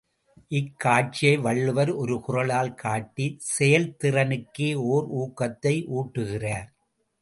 இக்காட்சியை வள்ளுவர் ஒரு குறளால் காட்டிச் செயல்திறனுக்கே ஓர் ஊக்கத்தை ஊட்டுகிறார்.